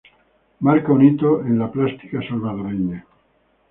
Marca un hito en la plástica salvadoreña.